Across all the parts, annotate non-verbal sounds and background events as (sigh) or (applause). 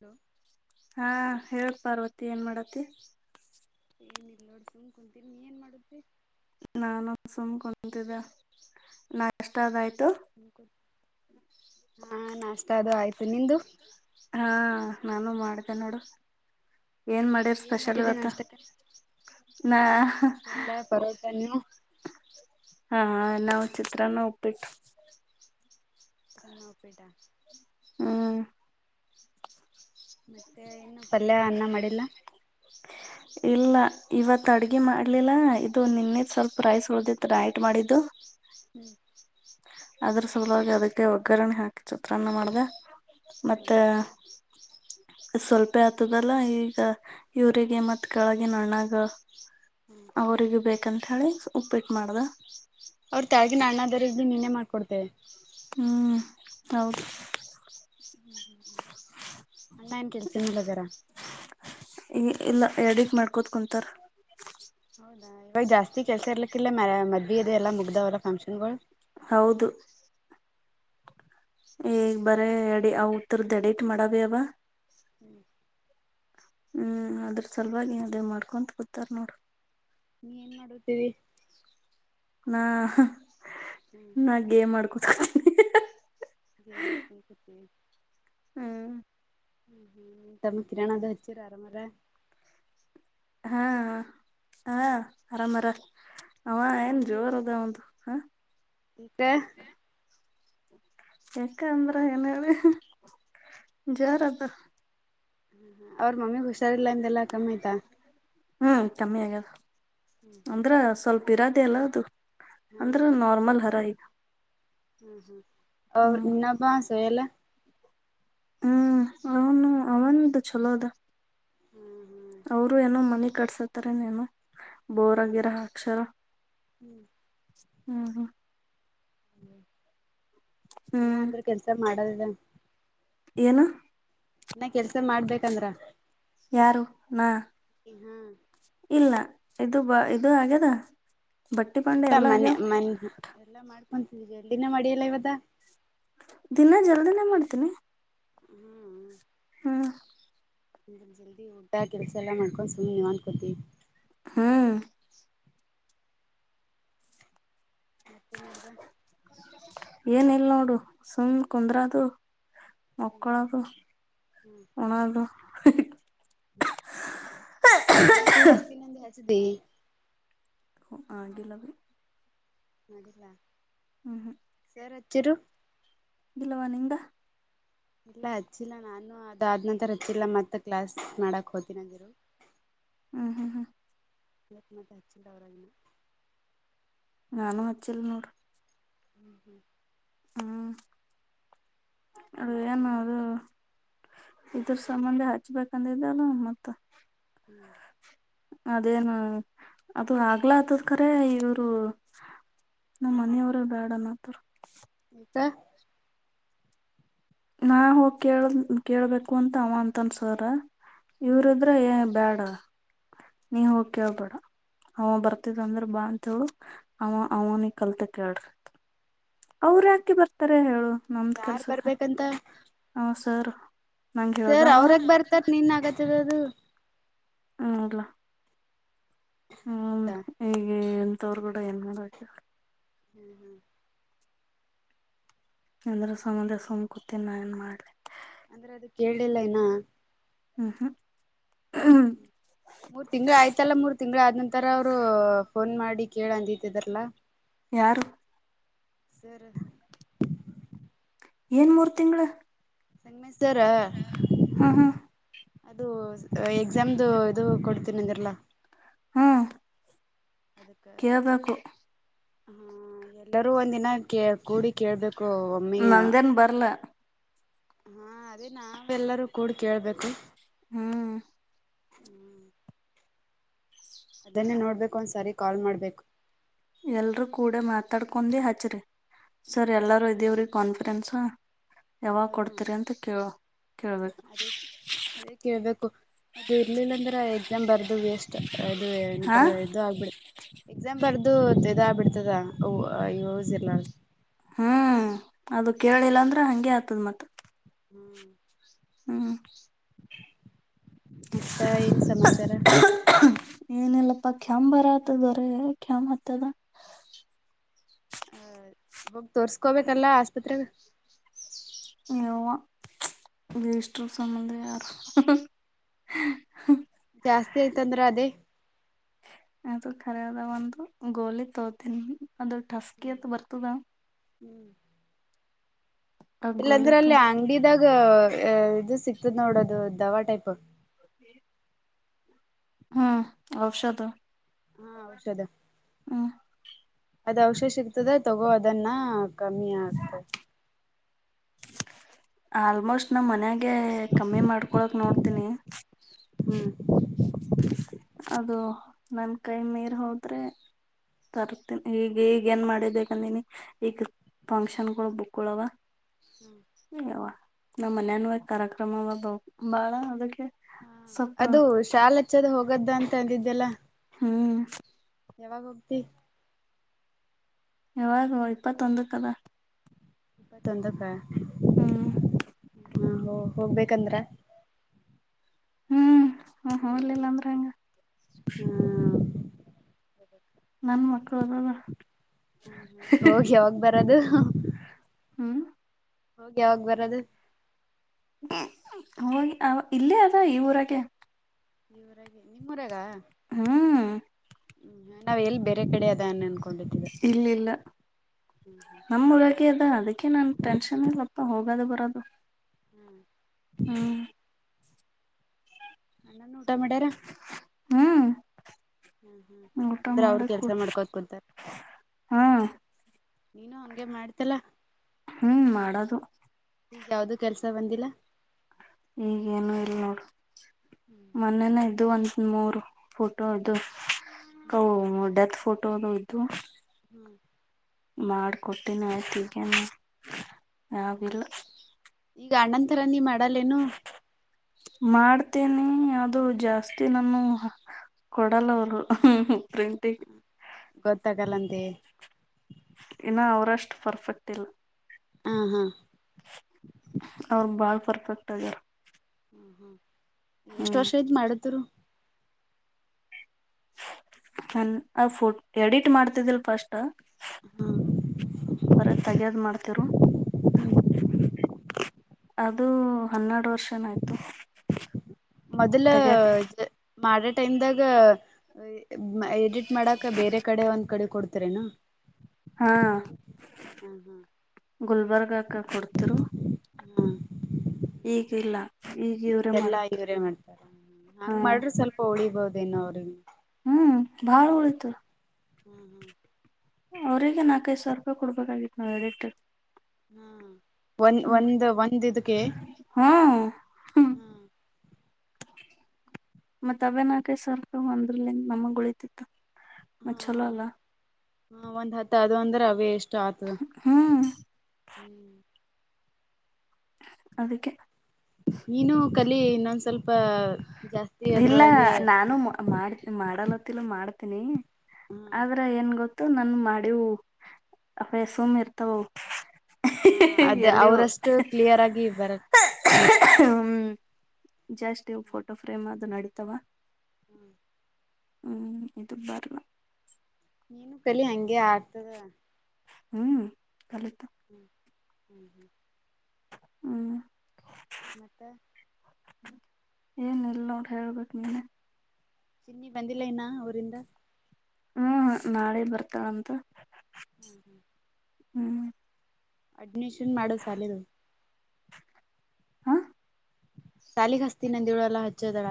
Hello ಹಾ ಹೇಳ ಪಾರ್ವತಿ ಏನ್ ಮಾಡತಿ ಏನ ಇಿಲ್ಲ ನೋಡಿ ಸು್ ಕುಂತೀರಿ ನೀ ಏನ್ ಮಾಡುತ್ತಿ ನಾನು ಸುಮ್ ಕುಂತಿದ್ದೆ ನಾ ಎಷ್ಟಾದಯ್ತು ಸುಮ್ ಹಾ ನಾಸ್ತ ಅದು ಆಯ್ತು ನಿ್ದ ಹಾ ನಾನು ಮಾಡ್ತೆೇ ನೋಡು ಏನ್ ಮಾಡಿರ್ ಏನ್ ಸ್ಪೆಷಲ್ ಮಾಡಿದ್ದಿ ಇವತ್ತು ನಾಷ್ಟಕ್ಕ ನಾ ಸ್ಪೆಷಲ್ ಪರೋಟ. ನೀವು? ಹಾ ನಾವು ಚಿತ್ರನ ಒಪ್ಪಿಟ್ಟು ಅ ನಾವುಪೇಟಾ ಹ್ಮ್ ಮತ್ತೆ ಇನ್ನೂ ಪಲ್ಯ ಅನ್ನ ಮಾಡಿಲ್ಲ (inaudible) ಇಲ್ಲ ಇವತ್ ಅಡ್ಗೆ ಮಾಡ್ಲಿಲ್ಲ ಇದು ನಿನ್ನದ ಸ್ವಲ್ಪ ರೈಸ್ ಉಳ್ದ ನೈಟ್ ಮಾಡಿದ್ದು ಹ್ಞೂ ಅದ್ರ ಸಲುವಾಗಿ ಅದಕ್ಕೆ ಒಗ್ಗರಣರಣೆ ಹಾಕಿ ಚಿತ್ರಾನ್ನ ಮಾಡ್ದ ಹ್ಮ್ ಮತ್ತೆ ಅ್ ಸ್ವಲ್ಪೇ ಆತದಲ್ಲ ಈಗ ಇೂರಿಗೆ ಮತ್ತ್ ಕೆಳಗೆ ನಣ್ಣಾಗ ಹ್ಮ್ ಅವ್ರಿಗೆ ಬೇಕಂತ ಹೇಳಿ ಉಪ್ಪಿಟ್ಟು ಮಾಡ್ದ ಅವ್ರು ತಾಳಗ ನ ಅಣ್ಣದ್ರರಿಗೆ ಭ ಬಿ ನೀನ್ನೇ ಮಾಡ್ಕೊಡ್ತೆವೆ ಹ್ಮ್ ಹೌದ್ ಹ್ಮ್ ಹ್ಮ್ ಹ್ಮ್ ಅಣ್ಣ ನ್ ಕೆಲ್ಸ ಮೇಲೆಗಾರ ಈ ಇಲ್ಲ ಎಡಿಟ್ಕ್ ಮಾಡ್ಕೊತ್ ಕುಂತಾರ ಹೌದಾ ಇವಾಗ ಜಾಸ್ತಿ ಕೆಲಸ ಇರ್ಲಿಕ್ಕಿಲ್ಲ ಮಮದ್ವಿ ಅದೆ ಎಲ್ಲ ಮುಗ್ದಾವಲ್ಲ ಫಂಕ್ಷನ್ಗಳು ಹೌದು ಈಗ್ ಬರ ಎಡಿ ಅವತ್ತರದ ಎಡಿಟ್ ಮಾಡಾವ ಅವವ ಹ್ಮ್ ಹ್ಮ್ ಅದ್ರ ಸಲುವಾಗಿ ಅದೇ ಮಾಡ್ಕೊಂತ ಕುತಾರ್ ನೋಡ ನೀ ಏನ್ ಮಾಡರ್ತೀವಿ ನಾ ಹ್ಮ್ ನಾ ಗೇಮ್ ಮಾಡ್ಕೊತ ಏ ಗೇಮ್ ಮಾಡ್ಕೊಂಡು ಕೊತೀವಿ ಹ್ಮ ತಮ್ಮ ಕೀಣ ಅಂತ ಹಚಿರ ಆರಾಮ್ರ ಹಾ ಹ ಆರಾಮರ ಅವ ಅವ್ರ ಏನ್ ಜೋರ್ ಅದ ಔದು ಹಾ ಬ್ಯ್ ಯಾಕಂದ್ರ ಏನು ಹೇಳಿ ಜೋರ ಅದ ಅವ್ರ ಮಮ್ಮಿಗ್ ಹುಷಾರಿಲ್ಲಾಂದೆಲ್ಲ ಕಮ್ಮ ಆಯ್ತಾ ಹ್ಮ್ ಕಮ್ಮಿ ಆಗದು ಹ್ಮ್ ಅಂದ್ರ ಸ್ವಲ್ಪ ಇರದೆೇ ಅಲ್ಲ ಅದು ಅಂದ್ರ ಹ್ಮ್ ನಾರ್ಮಲ್ ಹರ ಐ್ ಹ್ಮ ಹ ಹ್ಮ್ ಇನ್ನೊಬ್ಬ ಸುಯಿಲ್ ಹ್ಮ್ ಅವನು ಅವಂದು ಚಲೋ ಅದ ಹ್ಮ್ ಅವರು ಏನೋ ಮನೆ ಕಟ್ಸತಾರನಏನೋ ಹ್ಮ್ ಹ್ಮ್ ಬೋರಗಿರ ಅಕ್ಷರ ಹ್ಮ್ ಹ್ಮ್ ಹ್ಮ್ ಇ ಹ್ಮ್ ಅಂದ್ರೆ ಕೆಲ್ಸ ಮಾಡದಿದೆ ಏನು ನನ್ನ ಕೆಲ್ಸ ಮಾಡ್ಬೇಕಂದ್ರ ಯಾರು ನಾ ಹ್ಮ ಇಲ್ಲ ಇದು ಬ ಇದು ಆಗ್ಯದ ಭಟ್ಟಿಬಾಂಡೆ ಎಲ್ಲ ಆಗ್ಯಾವ ಎಲ್ಲ ಮಾಡ್ಕೊತವಿ ಇಲ್ಡಿನೇ ಮಾಡಿಯಲ್ಲ ಇವತ್ತ ದಿನ ಜಲ್ದಿನೇ ಮಾಡ್ತೀನಿ ಹು ಹ್ಮ ಇ ಜಲ್ದಿ ಉಊಡ್ಡ ಕೆಲಸ ಎಲ್ಲಾ ಮಾಡ್ಕೊಂಡು ಸುಮ್ಮಿ ನಿವನ್ಕತಿ (unintelligible) ಹ್ಮ್ ಮತ್ತೇ ನಡ್ದಾ. ಏನ ಇಲ್ ನೋಡು ಸುಮ್ ಕುಂದ್ರದು. ಹ್ಮ್ ಮಕ್ಕಳದು ಉಣ್ಣದು. ಹನ್ನ ಮಕ್ಕಲ್ಲ ಹಸ್ತಿ ನಂದ ಹಸ ದ. (unintelligible) ಹ ಡಿಲವರಿ. (unintelligible) ಮಾಡಡಿಲ್ಲ. ಹ್ಮ ಹ್ಮ ಯರ್ ಹಚ್ಚರು ಇಲ್ಲವಾ ನಿಂದ ಇಲ್ಲ ಹಚ್ಚಿಲ್ಲ ನಾನ ಅದಾದ್ ನಂತರ ಇತ್ತಿಲ್ಲ ಮತ್ತ ಕ್ಲಾಸ್ ಮಾಡಕ್ ಹೋ್ತೀನಗಿರು ಹಾ ಹಾ ಹಾ ಇ ಮೆ ಹಚ್ಚಿದವರಾಗಿ (unintelligible) ನಾನು ಹಚ್ಚಿಲ್ಲ ನೋಡು ಹ್ಮ್ ಹ್ಮ್ ಹ್ಮ್ ಅದು ಹ್ಮ್ ಏನ ಸರಿ ಅದು ಇದ್ರ ಸಂಬಂಧ ಹಚ್ಬೇಕಂದಿದಲ್ಲ ಮತ್ತ ಹ್ಮ್ ಅದೇನ್ ಅದು ಆಗ್ಲಾ ಅದದ ಕರ ಇವರು ನಮ್ಮ್ ಮನೆಯವ್ರ ಬೇಡ ಅನ್ನಾಕತ್ತಾರ ಊಟ ನಾ ಹೋಗಿ ಕೇಳ ಕೇಳಬೇಕು ಅಂತ ಅವ ಅಂತನ್ ಸರ ಹ್ಮ ಇವ್ರದ್ರ ಬ್ಯಾಡ ನೀ ಹೋಗ್ ಕೇಳ್ಬೇಡ ಅವ ಬರ್ತಿದ ಅಂದ್ರ ಬಾ ಅಂತ ಹೇಳು ಆವಾ ಅವನಿ ಕಲ್ತಕೇಳ್ರಿ ಅವ್ರ್ ಯಾಕ್ ಬರ್ತಾರ ಹೇಳು ನಮ್ದ ಯಾರ್ ಕೆಲ್ಸಕ್ಕ ಬರ್ಬೇಕಂತ ಹ ಸಾರ ಸರ್ ಅವ್ರ್ ಯಾಕ್ ಬರ್ತಾರ ನಿನ್ ಆಗತ್ತದ ಅದು ಹ್ಮ ಹೌದಾ ಹೀಗೆ ಎಂತವ್ರು ಕೂಡ ಏನ್ ಮಾಡಕ ಹ್ಮ್ ಹ್ಮ್ ಎಂದ್ರ ಸಮುದ್ರ ಸುಮಕುತ್ತೇ ನಾ ಏನ್ ಮಾಡ್ಲಿ ಅಂದ್ರೆ ಅದ ಕೇಳಿಲ್ಲ ಇನ್ನ ಹ್ಮ್ ಹಾ ಹ್ಮ ಮೂರು ತಿಂಗಳು ಆಯ್ತಲ್ಲ ಮೂರು ತಿಂಗಳ ಆದ ನಂತರ ಅವರು ಫೋನ್ ಮಾಡಿ ಕೇಳ ಅಂದತಿದಾರಲ್ಲ ಯಾರು ಸರ್ ಏನ್ ಮೂರ್ ತಿಂಗಳು ಸಂಗಮೇಶ್ರ ಹ್ಮ್ ಹ್ಮ್ ಅದು ಎಕ್ಸಾಮ್ದು ಇದು ಕೊಡ್ತೀನಿ ಅಂದಿದ್ರಲಾ ಹ್ಮ್ ಅದಕ್ಕೆ ಕೇಳ್ಬೇಕು ಹಾ ಎಲ್ಲರೂ ಒಂದಿನ ಕ ಕೂಡಿ ಕೇಳ್ಬೇಕು ಒಮ್ಮೆ ನಂದೇನ್ ಬರ್ಲ. ಹಾ ಅದೇ ನಾವ ಎಲ್ಲರೂ ಕೂಡ ಕೇಳ್ಬೇಕು. ಹ್ಮ್ ಅದನ್ನೇ ನೋಡ್ಬೇಕು ಒಂದ್ಸಾರಿ ಕಾಲ್ ಮಾಡ್ಬೇಕು. ಎಲ್ರೂ ಕೂಡ ಮಾತಾಡ್ಕೊಂಡು ಹಚ್ಚ್ರರಿ ಸರ್ ಎಲ್ಲರೂ ಹ್ಮ್ ಇದೀವ್ರಿ ಕಾನ್ಫಿರೆನಸ್. ಯಾವಾಗ ಹ್ಮ್ ಕೊಡ್ತೀರಿ ಅಂತ ಕ ಕೇಳ್ಬೇಕು. ಅದೇ ಅದೇ ಕೇಳ್ಬೇಕು ಅದು ಇರ್ಲಿಲ್ಲ ಅಂದ್ರೆ ಎಕ್ಸಾಮ್ ಬರ್ದ ವೇಷ್ಟ. ಅದು ಎ ಹಾ ತರ ಇದು ಆಗ್ಬಿಡ್. ಎಕ್ಸಾಮ ಬರ್ದು ಇದಾ ಬಿಡ್ತದೂತ ಯೂಸ್ ಇಲ್ಲಾ ಅಂತಾ. ಹ್ಮ್ ಅದು ಕೇಳಿಲ್ಲ ಅಂದ್ರ ಹಂಗೆ ಆಗ್ತದ ಮತ್ತೆ. ಹ್ಮ್ ಹ್ಮ ಮತ್ತ ಏನ್ ಸಮಾಚಾರ ಏನಲ್ಲಪ್ಪಾ ಕ್ಯಾಮ್ ಬರ ಆತದವರ ಕ್ಯಾಮ್ ಹತ್ತದ ಹ ಮಗ್ ತೋರ್ಸ್ಕೋಬೇಕಲ್ಲ ಆಸ್ಪತ್ರೆಗೆ. ನೀ ಯವ್ವಾ. ವಷ್ಟ ಸಂಂದ ಯಾರ ಜಾಸ್ತಿ ಆಯ್ತಂದ್ರ ಅದೇ. ಅದು ಖರದ ಒಂದು ಗೋಲಿ ತೋತನಿ ಅದು ಟಸ್ಕಿ ಅತ್ ಬರ್ತದ. ಹ್ಞೂ. ಆ ಇಲ್ಲಾಂದ್ರೆ ಗೋಲಿತ್ತು ಅಲ್ಲಿ ಅಂಗಡಿದಾಗ ಇದು ಸಿಕ್ತದ ನೋಡೋದು ದವಾ ಟೈಪ್. ಹತ್ತ ಹ್ಮ್ ಔಷಧ ಹಾ ಔಷಧ ಹ್ಮ್ ಅದ್ ಔಷಷ ಸಿಗ್ತದ ತಗೋ ಅದನ್ನ ಕಮ್ಮಿ ಆಗ್ತದೆ. ಆಲ್ಮೋಸ್ಟ್ ನಾ ಮನ್ಯಾಗೆ ಕಮ್ಮಿ ಮಾಡ್ಕೊಳಕ್ ನೋಡ್ತೀನಿ. ಹ್ಮ್... ಅದು ನನ್ ಕೈ ಮೀರ್ ಹೋದ್ರೆ. ತರ್ತೀನಿ ಈಗ ಈಗ ಏನ್ ಮಾಡಿದ್ದಂದೀನಿ ಈಗ. ಫಂಕ್ಷನ್ಗಳು ಬುಕಲೋಗಾ. ಅ್ಯವ ನಮ್ಮ್ ಮನ್ಯನ್ ಕಾರ್ಯಕ್ರಮ ಬ ಬಾಳ ಅದಕ್ಕೆ ಹಾ ಸ್ವಲ್ಪ ಅದು ಶಾಲ ಹಚ್ಚದ ಹೋಗದ್ದ ಅಂತ ಅಂದಿದ್ದ್ಯಲ್ಲ. ಹ್ಮ್ ಯಾವಾಗ ಹೋಗತಿ ಯಾವಾಗ ಇಪ್ಪತ್ತೊಂದು ಕದ ತೊಂದಕ್ಕ ಹ್ಮ್ ಹ್ಮ್ ಹೋಗ ಹೋಗ್ಬೇಕಂದ್ರ. ಹ್ಮ್ ಹಲಿಲ್ಲ ಅಂದ್ರೆ ಹಂಗ. ಹ್ಮ ನನ್ ಮಕ್ಳು ಅದವಾ. ಹ ಹೋಗಿ ಯಾವಾಗ ಬರದು. ಹ್ಮ್ ಹೋಗಿ ಯಾವಾಗ ಬರೋದು. ಹೋಗಿ ಅವ ಇಲ್ಲಿ ಅದ ಈ ಊರಗೆ. ಈವರಗೆ ನಿಮ್ಮ ಊರಾಗ ಹಾ ನಾವ್ ಎಲ್ಲಿ ಬೇರೆ ಕಡೆ ಅದ ಅನ್ಕೊಂಡಿದ್ದೀವಿ ಇಲ್ಲ ಇಲ್ಲ ನಮ್ಮ ಉರಾಗ ಅದ ಅದಕ್ಕೆ ನಾನ್ ಟೆನ್ಷನ್ ಇಲ್ಲಪ್ಪ ಹೋಗದು ಬರೋದು ಹ್ಮ್ ಹ್ಮ್ ನನ್ ಊಟ ಮಾಡ್ಯಾರ ಹ್ಮ್ಮ್ ಹ್ಮ್ ಹ್ಮ್ ಅಂದ್ರೆ ಅವ್ರರು ಕೆಲ್ಸ ಮಾಡ್ಕೋದ ಕುೂಂತಾರೆ ಹಾ ನೀನು ಹಂಗೆ ಮಾಡ್ತಲಾ ಹ್ಮ್ ಮಾಡದು ಈಗ ಯಾವ್ದು ಕೆಲ್ಸ ಬಂದಿಲ್ಲ. ಈಗ ಏನು ಇಲ್ ನೋಡು. ಹ್ಮ್ ಹ್ಮ್ ಮೊನ್ನೆನೇ ಇದು ಒಂದ ಮೂರ್ ಫೋಟೋ ಇದವ ಅವು ಡೆತ್ ಫೋಟೋ ಅದ ಇದ್ದವ ಹ್ಮ್ಮ್ ಮಾಡ್ಕೊಟ್ಟೀನಿ ಆಯ್ತು ಈಗೆನು ಯಾವಿಲ್ಲ. ಈಗ ಅಣ್ಣಂತರ ನೀ ಮಾಡಲ್ಲೇನು ಮಾಡ್ತೇನಿ ಅದು ಜಾಸ್ತಿ ನಾನು ಕೊಡಲ್ಲವರು ಪ್ರಿಂಟಿಗೆ ಗೊತ್ತಾಗಲ್ಲಂದ ಇನ್ನು ಅವ್ರಷ್ಟು ಪರ್ಫೆಕ್ಟ್ ಇಲ್ಲ. ಹಾ ಹಾ ಅವ್ರ ಬಾಳ್ ಪರ್ಫೆಕ್ಟ್ ಆಗ್ಯಾರ. ಹ್ಮ್ ಹ್ಮ್ ಎಷ್ಟು ಹ್ಮ್ ವರ್ಷ ಐತ್ ಮಾಡತರು ನನ್ ಆ ಫೋ ಎಡಿಟ್ ಮಾಡ್ತಿದ್ದಿಲ್ ಫಸ್ಟ್ ಹ ಬರ ತಗದ ಮಾಡ್ತರು ಅದು ಹನ್ನೆರಡು ವರ್ಷ ಮೊದಲು ತೆಗ್ಯಾಕ್ ಇದ ಮಾಡ ಟೈಮ್ದಾಗ ಎಡಿಟ್ ಮಾಡಕ ಬೇರೆ ಕಡೆ ಒಂದು ಕಡೆ ಕೊಡ್ತರೇನು ಹಾ ಹ ಹಾ ಗುಲ್ಬರ್ಗಕ ಕೊಡ್ತಿರು. ಹಾ ಈಗ ಇಲ್ಲ ಈಗ (inaudible) ಇವ್ರೇ ಈಗೆಲ್ಲಾ ಮಾಡತ್ ಇವರೇ ಮಾಡ್ತಾರ ಹಾ ಹಂಗ್ ಮಾಡ್ರೆ ಸ್ವಲ್ಪ ಪೊ ಉಳಿಬೋದೇನೋ ಅವ್ರಿಗೆ ಹ್ಮ್ ಭಾಳ ಉಳಿತ ಹ್ಞೂ ಹ್ಞೂ. ಹು ಅವ್ರರಿಗೆ ನಾಕೈದು ಸಾವಿರ ರೂಪಾಯ ಕೊಡಬೇಕಾಗಿತ್ತು ನಾವು ಎಡಿಟ್. ಹ್ಮ ಒ ಹ್ಮ್ ಒಂದು ಒಂದ ಇದಕ್ಕೆ. ಹಾ ಹ್ಮ್ ಹಾ ಮತ್ ಅವೆ ನಾಕೈದ ಸಾವಿರ ರೂಪಾಯಿ ಒಂದ್ರಲಿಂದ ನಮಗ ಉಳತಿತ್ತ ಮತ್ ಚಲೋ ಅಲ್ಲ. ಹ ಒಂದ್ ಹತ್ ಅದು ಅಂದ್ರೆ ಅವೇ ಎಷ್ಟು ಆತದ. ಹು ಹ್ಞೂ ಅದಕ್ಕೆ ನೀನು ಕಲಿ ಇನ್ನೊಂದ್ ಸ್ವಲ್ಪ ಜಾಸ್ತಿ ಇಲ್ಲ ಅದ್ರೊಳಗೆ ನಾನು ಮಾಡ ಮಾಡಲತ್ತಲು ಮಾಡ್ತೀನಿ ಹ ಆದ್ರ ಏನ್ ಗೊತ್ತ ನನ್ ಮಾಡೀವು ಅಪ್ಯಾಸುಮ್ ಇರ್ತಾವ ಅದ ಎಲ್ಲಿೂ. ಅವ್ರಷ್ಟು ಕ್ಲಿಯರ್ ಆಗಿ ಬರ ಹ್ ಜಾಸ್ತಿ ಫೋಟೋ ಫ್ರೇಮ್ ಅದು ನಡತಾವ. ಹ್ಞೂ. ಹ್ಮ್ ಇದು ಬರ್ಲ್ಲ. ನೀನು ಕಲಿ ಹಂಗೆ ಆಡ್ತದ. ಹ್ಮ್ ಕಲತ. ಹ್ಮ್ ಹ್ಮ್ಮ್ ಹ್ಮ್ ಮತ್ತ. ಏನಿಲ್ಲ ನೋಡು ಹೇಳ್ಬೇಕ್ ನೀನ್ನ. ಚಿನ್ನಿ ಬಂದಿಲ್ಲ ಇನ್ನ ಊರಿಂದ. ಹ್ಮ್ ನಾಳೆ ಬರ್ತಾಳಂತ. ಹ್ಮ್ ಹ್ಮ್. ಹ್ಮ್. ಅಡ್ಮಿಶನ್ ಮಾಡು ಸಾಲಿದು. ಆ. ಸಾಲಿಗೆ ಹಸ್ತೀನಿ ಅಂದಿನೋಳ ಹಚ್ಚಿದಾಳ..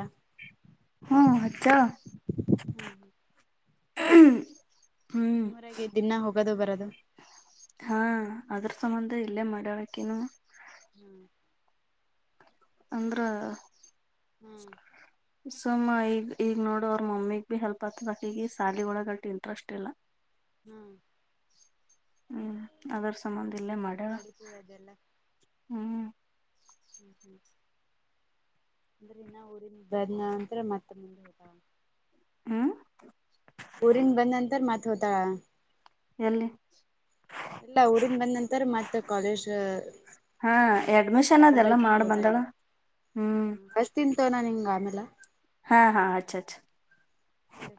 ಹ್ಮ ಹಚ್ಚಳ ಹ್ಮ ನಿಮ್ಮೂರಗೆ ದ್ದಿನ್ನ ಹೋಗೋದು ಬರದು ಹಾ ಅದ್ರ್ ಸಂಬಂಧ ಇಲ್ಲೇ ಮಾಡಳಕಿನು ಹ್ಮ್. ಅಂದ್ರ. ಹ್ಮ್ ಸೊಮ್ಮ ಈಗ ಈಗ ನೋಡು ಅವ್ರ ಮಮ್ಮಿಗ್ ಬಿ ಹೆಲ್ಪ್ ಆತದಕ ಈಗ ಸಾಲಿ ಒಳಗಟ ಇಂಟ್ರೆಸ್ಟ್ ಇಲ್ಲ. ಹ್ಮ್. ಹ್ಮ್ ಅದರ ಸಂಬಂಧ ಇಲ್ಲೇ ಮಾಡ್ಯಾಳ ನಡೀತದ ಅದೆಲ್ಲ ಹ್ಮ್- ಹ್ಮ್ ಹ್ಮ್ ಅಂದ್ರೆ ಇನ್ನ ಊರಿಂದ ಬದ್ನ ನಂತ್ರ ಮತ್ತೆ ಮುಂದೆ ಹೊಗವ. ಹ್ಮ್. ಊರಿಂದ ಬಂದ ನಂತರ ಮತ್ತ ಹೋತಾಳ. ಎಲ್ಲೇ - ಇಲ್ಲ ಊರಿಂದ ಬಂದ್ ನಂತರ ಮತ್ತ ಕಾಲೇಜ್ಅ ಹಾ ಎಡ್ಮಿಷನ್ ಅದೆಲ್ಲ ಮಾಡಿ ಬಂದಳ ಹ್ಮ್ - ತಿಂತನ ನಿಂಗ ಆಮೆಲ. ಹ ಹಾ ಹಚ್ ಹಚ್ ಇಡು